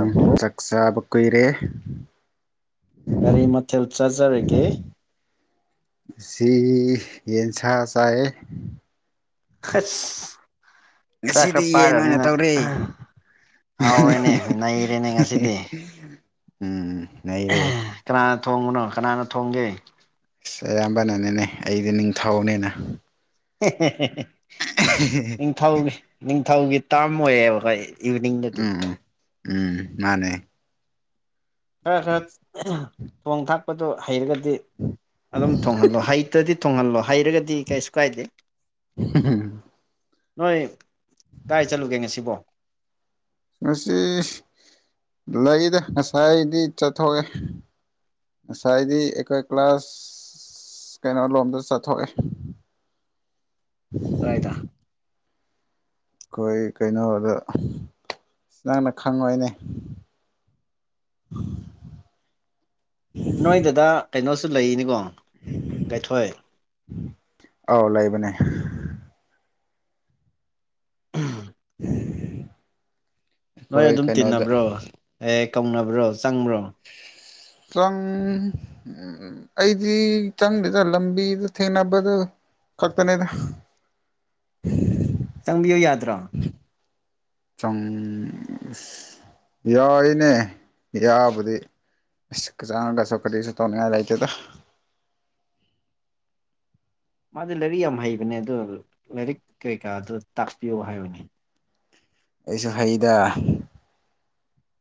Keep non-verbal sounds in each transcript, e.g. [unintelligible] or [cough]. ꯎꯝ ꯆꯥꯛꯆꯥꯕ ꯀꯨꯏꯔꯦ ꯒꯥꯔꯤ ꯃꯊꯦꯜ ꯆꯥꯖꯔꯒꯦ ꯁꯤ ꯌꯦꯟꯁꯥ ꯆꯥꯏ ꯈꯁ ꯉꯁꯤꯗꯤ ꯌꯦꯟ ꯑꯣꯏꯅ ꯇꯧꯔ ꯍꯥꯎꯔꯦꯅꯦ ꯅꯩꯔꯦꯅꯦ ꯉꯁꯤꯗꯤ ꯎꯝ ꯅ ꯔꯦ ꯊꯣꯡꯕꯨꯅꯣ ꯀꯅꯥꯅ ꯊꯣꯡꯒꯦ ꯑꯁ ꯑꯌꯥꯝꯕꯅꯅꯤꯅꯦ ꯑꯩꯗꯤ ꯅꯤꯡꯊꯧꯅꯤꯅ ꯅꯤꯡꯊꯧꯒꯤ ꯅꯤꯡꯊꯧꯒꯤ ꯇꯥꯝ ꯑꯣꯏꯌꯦꯦꯕ ꯑꯩ ꯏꯚꯅꯤꯡꯗ ꯇ ꯎꯝ ꯎꯝ ꯃꯥꯅꯦ ꯈꯔ ꯈꯔ ꯊꯣꯡ ꯊꯥꯛꯄꯗꯣ ꯍꯩꯔꯒꯗꯤ ꯑꯗꯨꯝ ꯊꯣꯡꯍꯜꯂꯣ ꯍꯩꯇꯗꯤ ꯊꯣꯡꯍꯜꯂꯣ ꯍꯥꯏꯔꯒꯗꯤ ꯀꯩꯁꯨ ꯀꯥꯏꯗꯦ ꯅꯣꯏ ꯀꯥꯏ ꯆꯠꯂꯨꯒꯦ ꯉꯁꯤꯕꯣ ꯃꯁꯤꯁꯤ ꯂꯩꯗ ꯉꯁꯥꯏꯗꯤ ꯆꯠꯊꯣꯛꯑꯦ ꯉꯁꯥꯏꯗꯤ ꯑꯩꯈꯣꯏ ꯀ꯭ꯂꯥꯁ ꯀꯩꯅꯣ ꯂꯣꯝꯗ ꯆꯠꯊꯣꯛꯑꯦ ꯑꯣꯏꯣꯏꯗ ꯑꯩꯈꯣꯏ ꯀꯩꯅꯣꯗ ꯁꯤ ꯅꯪꯅ ꯈꯪꯉꯣꯏꯅꯦ ꯎꯝ ꯅꯣꯏ ꯗꯗꯥ ꯀꯩꯅꯣꯁꯨ ꯂꯩꯅꯤꯀꯣ ꯒꯥꯏꯊꯣꯏ ꯑꯥꯎ ꯂꯥꯏꯕꯅꯦ ꯎꯝ ꯅꯣꯏ ꯑꯩꯈꯣꯏ ꯑꯗꯨꯝ ꯀꯩꯅꯣꯗ ꯇꯤꯟꯅꯕ꯭ꯔꯣ ꯑꯦ ꯀꯧꯅꯕ꯭ꯔꯣ ꯆꯪꯕ꯭ꯔꯣ [unintelligible] ꯆꯪ ꯎ ꯑꯩꯗꯤ ꯆꯪꯗꯗ ꯂꯝꯕꯤꯗ ꯊꯦꯡꯅꯕꯗꯣ ꯐꯛꯛꯇ ꯅꯗ ꯀꯠꯇ꯭ꯔꯥ ꯆꯪ ꯌꯥꯏꯅꯦ ꯌꯥꯕꯨꯗꯤ ꯆꯥꯡ ꯀꯁꯣ ꯀꯁꯨ ꯇꯅꯤ ꯍꯥꯏ ꯂꯇꯦ ꯃꯥꯗꯤ ꯂꯥꯏꯔꯤꯛ ꯌꯥꯝ ꯍꯩꯕꯅꯦ ꯑꯗꯣ ꯂꯥꯏꯔꯤꯛ ꯀꯩꯀꯥꯗ ꯇꯥꯛꯄꯤꯌꯣ ꯍꯥꯏꯕꯅꯦ ꯑꯩꯁꯨ ꯍꯩꯗ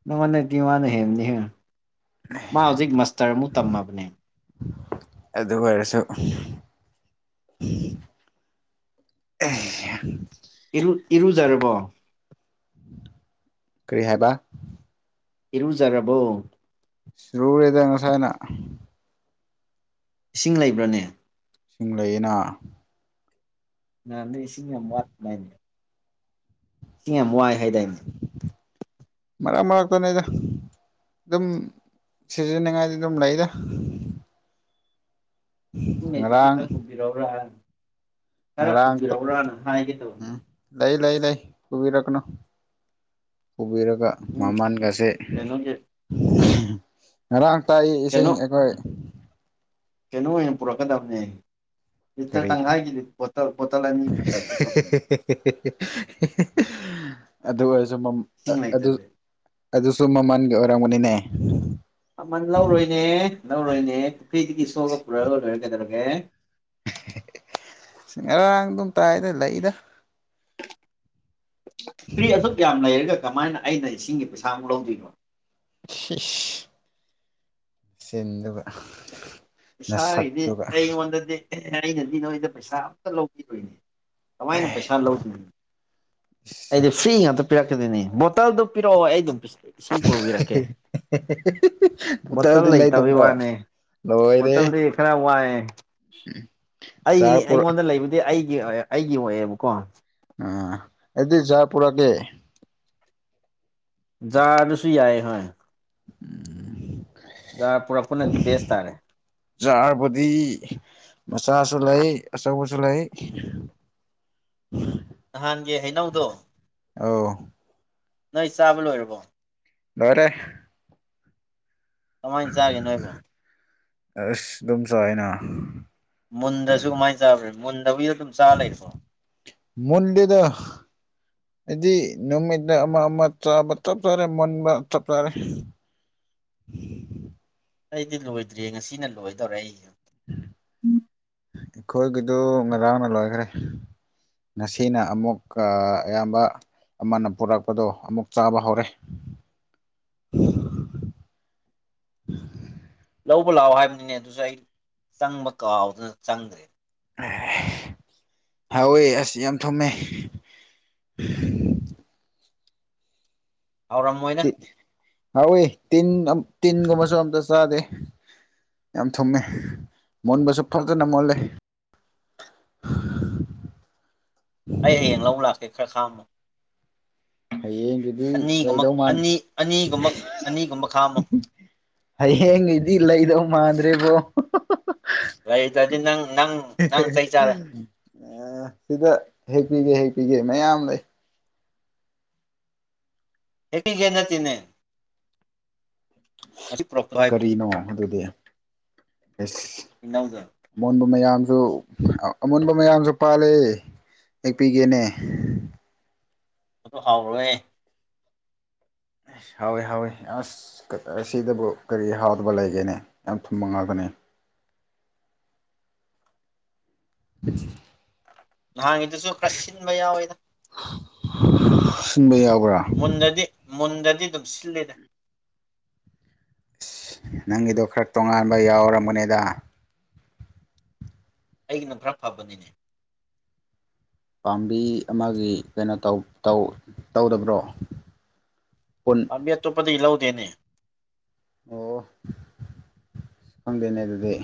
ꯅꯪꯉꯣꯟ ꯅꯗꯤ ꯃꯥꯅ ꯍꯦꯝꯅꯤꯍꯦ ꯃꯥ ꯍꯧꯖꯤꯛ ꯃꯥꯁꯇꯔꯃꯨꯛ ꯇꯝꯃꯕꯅꯦ ꯑꯗꯨ ꯑꯣꯏꯔꯁꯨ ꯑ ꯏꯔꯨꯖꯔꯕꯣ ꯀꯔꯤ ꯍꯥꯏꯕ ꯏꯔꯨꯖꯔꯕꯣ ꯁꯨꯔꯦꯗ ꯉ ꯁꯥꯏꯅ ꯏꯁꯤꯡ ꯂꯩꯕ꯭ꯔꯅꯦ ꯁꯤꯡ ꯂꯩꯛ ꯑꯩꯅ ꯅꯁꯤꯡꯃ ꯏ ꯌꯥꯝ ꯋꯥꯏ ꯍꯥꯏꯗꯥꯏꯗꯤ ꯃꯔ ꯃꯔꯔꯒꯛꯇꯅꯦꯖ ꯑꯗꯨꯝ ꯁꯤꯖꯤꯅꯤꯉꯥꯏꯗꯤ ꯑꯗꯨꯝ ꯂꯩꯗ ꯆꯗꯤ ꯀ ꯄꯨꯕꯤꯔꯣꯎ꯭ꯔꯥ ꯉꯔꯥꯡꯥꯡ ꯇꯣ ꯍꯥꯏꯒꯦ ꯇꯧꯕꯅꯤ ꯎꯝ ꯂꯩꯏ ꯂꯩꯏ ꯂꯩꯏ ꯎꯕꯤꯔꯛꯅꯣ ꯎꯕꯤꯔ ꯑꯗꯨꯒ ꯎꯝ ꯃꯃꯟꯒꯁꯦ ꯀꯩꯅꯣꯒꯤ ꯉꯔꯥꯡ ꯄꯥꯛꯏ ꯀꯩꯅꯣ ꯏꯁꯤꯡ ꯑꯩꯈꯣꯏ ꯀꯩꯅꯣ ꯑꯣꯏꯅ ꯄꯨꯔꯛꯀꯗꯕꯅꯦ ꯂꯤꯇ ꯀꯔꯤ ꯇꯪꯈꯥꯏꯒꯤꯗꯤꯇ ꯕꯣꯇꯜ ꯑꯅꯤ ꯄꯨ ꯄꯔꯦꯛꯛꯀꯦ ꯇꯧꯕꯅꯦ ꯑꯗꯨ ꯑꯣꯏꯔꯁꯨ ꯏꯁꯤꯡ ꯑꯗꯨ ꯂꯩꯇ꯭ꯔꯗꯤ ꯑꯗꯨꯁꯨ ꯃꯃꯜꯒꯤ ꯑꯣꯏꯔꯝꯕꯅꯤꯅꯦ ꯑꯃꯃꯜ ꯂꯧꯔꯣꯏꯅꯦ ꯂꯧꯔꯣꯏꯅꯦ ꯄꯨꯈ꯭ꯔꯤꯗꯒꯤ ꯁꯣꯛꯑꯒ ꯄꯨꯔꯛꯑꯒ ꯂꯣꯏꯔꯒꯗꯔꯒꯦ ꯉꯔꯥꯡ ꯑꯗꯨꯝ ꯇꯥꯏꯗ ꯂꯩꯗ ꯐꯔꯤ ꯑꯣ ꯌꯥꯝ ꯂꯩꯒ ꯀꯃꯥꯏꯅ ꯑꯩꯅ ꯏꯁꯤꯡꯒꯤ ꯄꯩꯁꯥꯃꯨꯛ ꯂꯧꯗꯣꯏꯅꯣ ꯁ ꯁꯤꯟꯗꯨꯕ ꯄꯩꯁꯥꯒꯤꯗꯤ ꯑꯩꯉꯣꯟꯗꯗꯤ ꯑꯩꯅꯗꯤ ꯅꯣꯏꯗ ꯄꯩꯁꯥ ꯑꯝꯇ ꯂꯧꯕꯤꯗꯣꯏꯅꯦ ꯀꯃꯥꯏꯅ ꯄꯩꯁꯥ ꯂꯧꯗ ꯑꯩꯗꯤ ꯐ꯭ꯔꯤ ꯉꯥꯛꯇ ꯄꯤꯔꯛꯈꯤꯗꯣꯏ ꯣꯇꯜꯗꯣ ꯄꯤꯔꯛꯑꯣ ꯑꯩ ꯑꯗꯨꯝ ꯏꯁꯤꯡ ꯄꯨꯔꯨꯕꯤꯔꯛꯀꯦ ꯕꯣꯇꯜ ꯕꯣꯇꯜꯗꯤ ꯂꯩꯇꯕꯩ ꯂꯩꯇꯕ꯭ꯔꯣ ꯋꯥꯅꯦ ꯂꯣꯏꯔꯦ ꯣꯇꯜꯗꯤ ꯈꯔ ꯋꯥꯏꯑꯦ ꯑꯩ ꯖꯥꯔ ꯄꯨꯔ ꯑꯩꯉꯣꯟꯗ ꯂꯩꯕꯗꯤ ꯑꯩ ꯑꯩꯒꯤ ꯑꯣꯏ ꯑꯩꯒꯤ ꯑꯣꯏꯑꯦꯕꯀꯣ ꯑ ꯑꯗꯨꯗꯤ ꯆꯥ ꯄꯨꯔꯒꯦ ꯌꯥꯥꯁꯨ ꯌꯥꯑ ꯍꯣꯏ ꯖꯥꯔ ꯄꯨꯔꯛꯄꯅꯗꯤ ꯕꯦꯁ ꯇꯥꯔꯦ ꯆꯥꯔꯕꯨꯗꯤ ꯃꯆꯥꯁꯨ ꯂꯩ ꯑꯁꯪꯁꯂꯥꯏ ꯅꯍꯥꯟꯒꯤ ꯍꯩꯅꯧꯗꯣ ꯑ ꯅꯣꯏ ꯆꯥꯕ ꯂꯣꯏꯔꯕꯣ ꯃꯔꯦ ꯀꯃꯥꯏꯅ ꯆꯥꯒꯦ ꯅꯣꯏꯕꯨꯣ ꯑꯁ ꯑꯗꯨꯝ ꯆꯥꯏꯅ ꯃꯨꯟꯗꯁꯨ ꯀꯃꯥꯏꯅ ꯆꯥꯕ꯭ꯔꯦ ꯃꯟ ꯃꯜꯂꯗ ꯍꯥꯏꯗꯤ ꯅꯨꯃꯤꯠꯗ ꯑꯃ ꯑꯃ ꯆꯥꯕ ꯆꯞ ꯆꯥꯔꯦ ꯃꯨꯟꯕ ꯆꯞ ꯆꯥꯔꯦ ꯎꯝ ꯑꯩꯗꯤ ꯂꯣꯏꯗ꯭ꯔꯦ ꯉꯁꯤꯅ ꯂꯣꯏꯗꯧꯔꯦ ꯑꯩꯁꯨ ꯑꯩꯈꯣꯏꯒꯤꯗꯨ ꯉꯔꯥꯡꯅ ꯂꯣꯏꯈ꯭ꯔꯦ ꯉꯁꯤꯅ ꯑꯃꯨꯛ ꯑꯌꯥꯝꯕ ꯑꯃꯅ ꯄꯨꯔꯛꯄꯗꯣ ꯑꯃꯨꯛ ꯆꯥꯕ ꯍꯧꯔꯦ [unintelligible] ꯂꯧꯕ ꯂꯥꯛꯑꯣ ꯍꯥꯏꯕꯅꯤꯅꯦ ꯑꯗꯨꯁꯨ ꯑꯩ ꯆꯪꯕ ꯀꯥꯎꯗꯅ ꯆꯪꯗ꯭ꯔꯦ ꯎ ꯍꯑꯣꯑꯦ ꯑꯁ ꯌꯥꯝ ꯊꯨꯝꯃꯦ ꯍꯧꯥꯎꯔꯝꯃꯣꯏꯅ ꯍꯋꯦ ꯇꯤꯟ ꯇꯤꯟꯒꯨꯝꯕꯁꯨ ꯑꯝꯇ ꯆꯥꯗꯦ ꯌꯥꯝ ꯊꯨꯡꯉꯦ ꯃꯨꯟꯕꯁꯨ ꯐꯖꯅ ꯃꯣꯠꯂꯦ ꯍ ꯑꯩ ꯍꯌꯦꯡ ꯂꯧꯕ ꯂꯥꯛꯀꯦ ꯈꯔ ꯈꯥꯝꯃꯣ ꯍꯌꯦꯡꯗꯨꯗꯤ ꯑꯅꯤꯒꯨꯝꯕ ꯂꯩꯗꯧ ꯃꯥꯅꯤ ꯑꯅꯤ ꯑꯅꯤꯒꯨꯝꯕ ꯑꯅꯤꯒꯨꯝꯕ ꯈꯥꯝꯃꯣ ꯍꯌꯦꯡꯡ ꯏꯗꯤ ꯏ ꯂꯩ ꯏꯗꯧ ꯃꯥꯥꯟꯗ꯭ꯔꯦꯕꯣ ꯂꯩꯗ꯭ꯔꯗꯤ ꯅꯪ ꯅꯪ ꯅꯪ ꯆꯩ ꯆꯥꯔꯦ ꯁꯤꯗ ꯍꯦꯛ ꯄꯒꯦ ꯍꯦꯛꯄꯤꯒꯦ ꯃꯌꯥꯝ ꯂꯩ ꯍꯒꯤꯒꯦ ꯅ ꯇꯅꯦ ꯍꯥꯏꯕꯅꯤ ꯀꯔꯤꯅꯣ ꯑꯗꯨꯗꯤ ꯏꯅꯧꯗꯣ ꯃꯣꯟꯕ ꯃꯌꯥꯝ ꯑꯗꯨ ꯑꯃꯨꯣꯟꯕ ꯃꯌꯥꯝꯁꯨ ꯄꯥꯜꯂꯦ ꯌꯦꯛꯄꯤꯒꯦꯅꯦ ꯑꯗꯨ ꯍꯥꯎꯔꯑꯦ ꯑꯁ ꯍꯥꯎꯏꯤ ꯍꯥꯎꯋꯤ ꯑꯁ ꯑꯁꯤꯗꯕꯨ ꯀꯔꯤ ꯍꯥꯎꯗꯕ ꯂꯩꯒꯦꯅꯦ ꯌꯥꯝ ꯊꯨꯝꯕ ꯉꯥꯛꯇꯅꯦ [unintelligible] [unintelligible] ꯅꯍꯥꯟꯉꯤꯗꯨꯁꯨ ꯈꯔ ꯁꯤꯟꯕ ꯌꯥꯎꯋꯦꯗ ꯁꯤꯟꯕ ꯌꯥꯕ ꯃꯨꯟꯗꯗꯤ ꯃꯨꯟꯗꯗꯤ ꯑꯗꯨꯝ ꯁꯤꯜꯂꯤꯔꯦ ꯑꯁ ꯅꯪꯒꯤꯗꯣ ꯈꯔ ꯇꯣꯉꯥꯟꯕ ꯌꯥꯎꯔꯝꯕꯅꯦꯗ ꯑꯩꯒꯤꯅ ꯈꯔ ꯐꯕꯅꯤꯅꯦ ꯄꯥꯝꯕꯤ ꯑꯃꯒꯤ ꯀꯩꯅꯣ ꯇꯧꯗꯕ꯭ꯔꯣ ꯄꯨꯟ ꯑꯥꯕꯤ ꯑ ꯇꯣꯞꯄꯗꯤ ꯂꯧꯥꯎꯗꯅꯦ ꯑꯣ ꯈꯪꯗꯦꯅꯦ ꯑꯗꯨꯗꯤ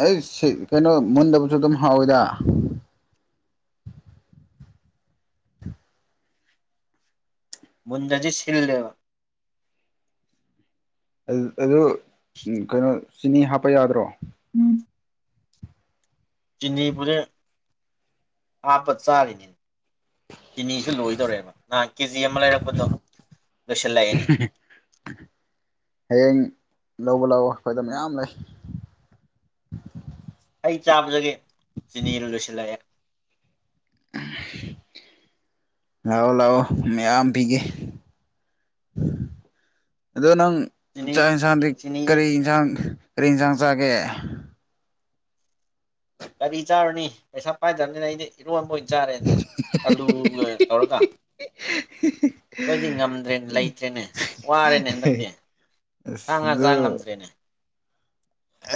ꯑꯩ ꯁꯤ ꯀꯩꯅꯣ ꯃꯨꯟꯗꯕꯨꯁꯨ ꯑꯗꯨꯝ ꯍꯥꯎꯋꯤꯗ [unintelligible] ꯃꯟꯖꯖꯤ ꯁꯤꯜꯂꯦꯕ ꯑꯗꯨ ꯀꯩꯅꯣ ꯆꯤꯅꯤ ꯍꯥꯞꯄ ꯌꯥꯗ꯭ꯔꯣ ꯎꯝ ꯆꯤꯡꯅꯤ ꯄꯔ ꯍꯥꯄ ꯆꯥꯔꯤꯅꯤ ꯆꯤꯅꯤꯁꯨ ꯂꯣꯏꯗꯧꯔꯦꯕ ꯅꯍꯥꯟ ꯀꯦꯖꯤ ꯑꯃ ꯂꯩꯔꯛꯄꯗꯣ ꯂꯣꯏꯁꯤꯜꯂꯛꯑꯦꯅꯦ ꯍꯌꯦ ꯂꯧꯕ ꯂꯥꯛꯑꯣ ꯑꯩꯈꯣꯏꯗ ꯃꯌꯥꯝ ꯂꯩ ꯑꯩ ꯆꯥꯖꯒꯦ ꯆꯤꯅꯤꯔ ꯂꯣꯏꯁꯤꯜꯂꯛꯑꯦ [unintelligible] ꯂꯥꯛꯑꯣ ꯂꯥꯛꯑꯣ ꯃꯌꯥꯝ ꯄꯤꯒꯦ ꯑꯗꯣ ꯅꯪ ꯆꯤꯅꯤ ꯆꯥꯛ ꯌꯦꯟꯁꯥꯡꯗꯤ ꯆꯤꯅꯤꯁꯦ ꯀꯔꯤ ꯌꯦꯟꯁꯥꯡ ꯀꯔꯤ ꯌꯦꯟꯁꯥꯡ ꯆꯥꯒꯦ ꯒꯥꯔꯤ ꯆꯥꯔꯅꯤ ꯄꯩꯁꯥ ꯄꯥꯏꯗꯕꯅꯤꯅ ꯑꯩꯗꯤ ꯏꯔꯣꯟꯕ ꯑꯣꯏꯅ ꯆꯥꯔꯦꯅ ꯑꯂꯨꯒ ꯇꯧꯔꯒ ꯑꯩꯣꯏꯗꯤ ꯉꯝꯗ꯭ꯔꯦꯅꯦ ꯂꯩꯇ꯭ꯔꯦꯅꯦ ꯋꯥꯔꯦꯅꯦ ꯍꯟꯗꯛꯇꯤ ꯆꯥꯡ ꯑꯁ ꯉꯥ ꯆ ꯑꯗꯨ ꯉꯝꯗ꯭ꯔꯦꯅꯦ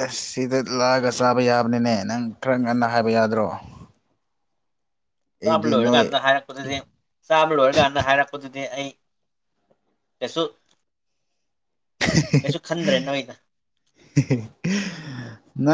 ꯑꯁ ꯁꯤꯗ ꯂꯥꯛꯑꯒ ꯆꯥꯕ ꯌꯥꯕꯅꯤꯅꯦ ꯅꯪ ꯈꯔ ꯉꯟꯅ ꯍꯥꯏꯕ ꯌꯥꯗ꯭ꯔꯣ [inaudible] ꯆꯥꯕ ꯅꯣꯏ ꯂꯣꯏꯔꯀꯥꯟꯗ ꯍꯥꯏꯔꯛꯄꯗꯨꯗꯤ ꯆꯥꯕ ꯂꯣꯏꯔꯀꯥꯟꯗ ꯍꯥꯏꯔꯛꯄꯗꯨꯗꯤ ꯄꯁꯨ ꯀꯩꯁꯨ ꯈꯟꯗ꯭ꯔꯦ ꯅꯋꯅ ꯅꯪ